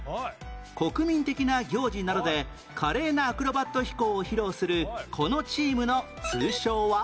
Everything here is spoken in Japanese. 国民的な行事などで華麗なアクロバット飛行を披露するこのチームの通称は？